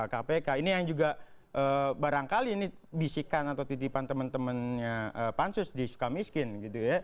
kpk ini yang juga barangkali ini bisikan atau titipan teman temannya pansus di sukamiskin gitu ya